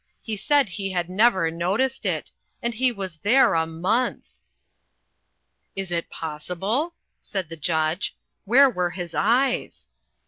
He said he had never noticed it. And he was there a month!" "Is it possible?" said the Judge. "Where were his eyes?"